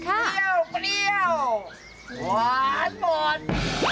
เปรี้ยวเปรี้ยวหวานหมด